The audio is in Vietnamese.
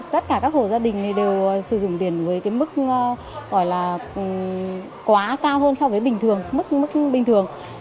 tất cả các hồ gia đình đều sử dụng điện với mức quá cao hơn so với mức bình thường